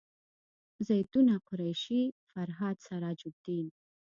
زیتونه قریشي فرهاد سراج الدین